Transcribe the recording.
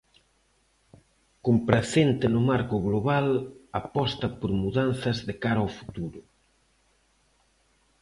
Compracente no marco global, aposta por mudanzas de cara ao futuro.